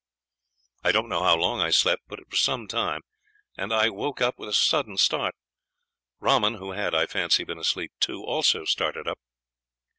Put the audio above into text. I don't know how long I slept, but it was some time, and I woke up with a sudden start. Rahman, who had, I fancy, been asleep too, also started up.